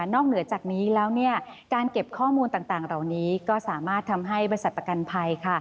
เหนือจากนี้แล้วการเก็บข้อมูลต่างเหล่านี้ก็สามารถทำให้บริษัทประกันภัย